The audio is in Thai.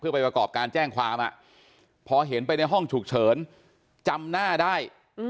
ไปประกอบการแจ้งความพอเห็นไปในห้องฉุกเฉินจำหน้าได้